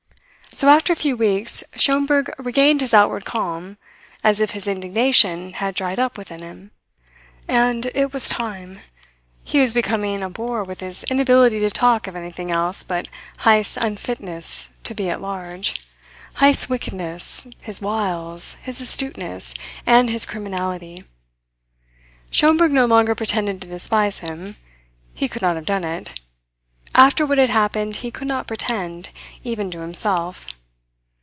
So, after a few weeks, Schomberg regained his outward calm, as if his indignation had dried up within him. And it was time. He was becoming a bore with his inability to talk of anything else but Heyst's unfitness to be at large, Heyst's wickedness, his wiles, his astuteness, and his criminality. Schomberg no longer pretended to despise him. He could not have done it. After what had happened he could not pretend, even to himself.